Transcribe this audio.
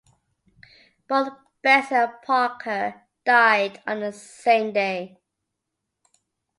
Both Bedson and Parker died on the same day.